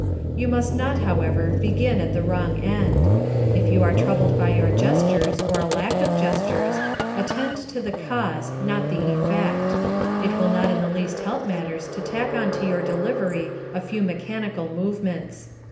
You must not, however, begin at the wrong end: if you are troubled by your gestures, or a lack of gestures, attend to the cause, not the effect. It will not in the least help matters to tack on to your delivery a few mechanical movements.